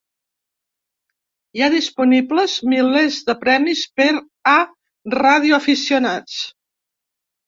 Hi ha disponibles milers de premis per a radioaficionats.